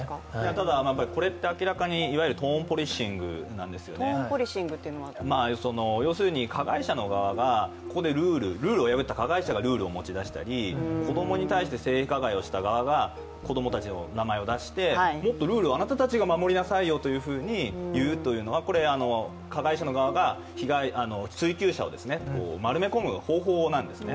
ただ、これって明らかにいわゆるトーンポリシングなんですよね、要するにルールを破った側の加害者の側がここでルールを持ち出したり子供に対して性加害をした側が子供たちの名前を出して、もっとルールをあなたたちが守りなさいよと言うというのはこれ、加害者の側が追及者を丸め込む方法なんですね。